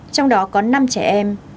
trong đó có năm trẻ em